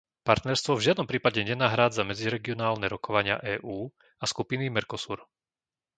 Partnerstvo v žiadnom prípade nenahrádza medziregionálne rokovania EÚ a skupiny Mercosur.